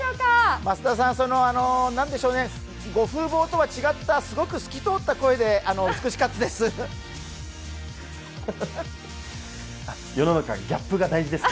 益田さん、風貌とは違ったすごく透き通った声で美しかったです。